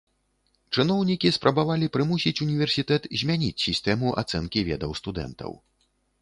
Чыноўнікі спрабавалі прымусіць універсітэт змяніць сістэму ацэнкі ведаў студэнтаў.